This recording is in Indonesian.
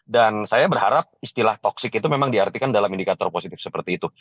dan saya berharap istilah toksik itu memang diartikan dalam indikator positif seperti itu